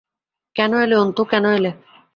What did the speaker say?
কেন এলে, অন্তু, কেন এলে?